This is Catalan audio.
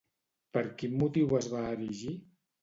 Per quin motiu es va erigir?